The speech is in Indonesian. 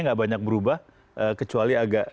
gak banyak berubah kecuali agak